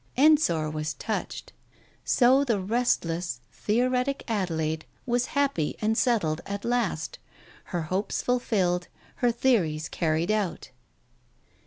Ensor was touched. So the restless, theoretic Adelaide was happy and settled at last, her hopes ful filled, her theories carried out.